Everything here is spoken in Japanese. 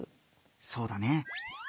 そうだね。